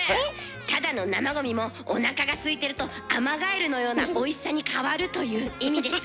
ただの生ゴミもおなかがすいてるとアマガエルのようなおいしさに変わるという意味です。